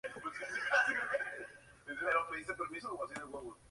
Estudió en París.